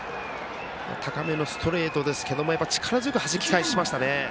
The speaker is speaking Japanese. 高めのストレートですけれども力強くはじき返しましたね。